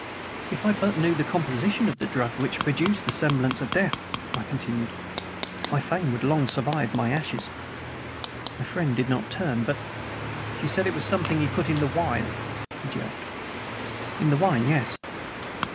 "If I but knew the composition of the drug which produced the semblance of death," I continued, "my fame would long survive my ashes." My friend did not turn. But: "She said it was something he put in the wine?" he jerked. "In the wine, yes."